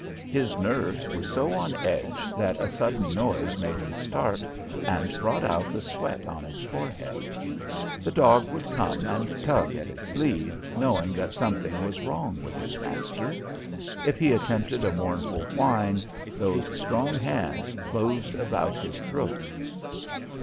His nerves were so on edge that a sudden noise made him start and brought out the sweat on his forehead. The dog would come and tug at his sleeve, knowing that something was wrong with his master. If he attempted a mournful whine, those strong hands closed about his throat.